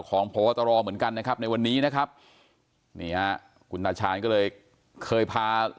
พบตรเหมือนกันนะครับในวันนี้นะครับนี่ฮะคุณตาชาญก็เลยเคยพา